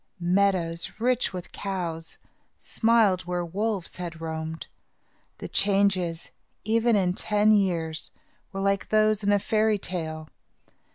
Meadows, rich with cows, smiled where wolves had roamed. The changes, even in ten years, were like those in a fairy tale.